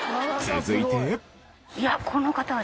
続いて。